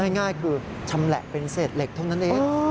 ง่ายคือชำแหละเป็นเศษเหล็กเท่านั้นเอง